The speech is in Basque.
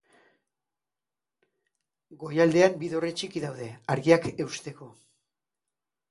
Goialdean bi dorre txiki daude, argiak eusteko.